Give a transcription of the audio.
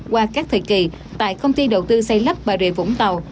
qua các thời kỳ tại công ty đầu tư xây lắp bà rịa vũng tàu